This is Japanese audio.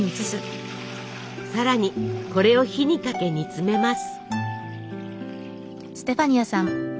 さらにこれを火にかけ煮詰めます。